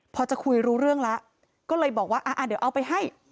พอจะคุยรู้เรื่องแล้วก็เลยบอกว่าเดี๋ยวเอาไปให้